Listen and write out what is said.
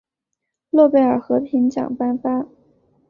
诺贝尔和平奖颁发。